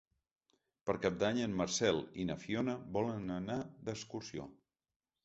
Per Cap d'Any en Marcel i na Fiona volen anar d'excursió.